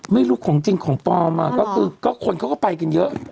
ไม่รู้ของจริงของปลอมก็คือก็คนเขาก็ไปกันเยอะ